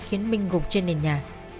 khiến minh gục trên nền nhà